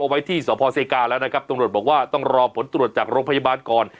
ไว้ที่สพเซกาแล้วนะครับตำรวจบอกว่าต้องรอผลตรวจจากโรงพยาบาลก่อน